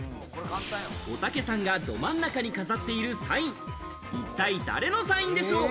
おたけさんがど真ん中に飾っているサイン、一体誰のサインでしょう？